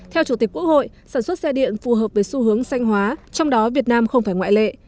theo chủ tịch quốc hội sản xuất xe điện phù hợp với xu hướng xanh hóa trong đó việt nam không phải ngoại lệ